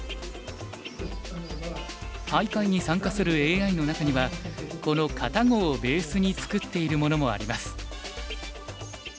大会に参加するＡＩの中にはこのＫａｔａＧｏをベースに作っているものもあります。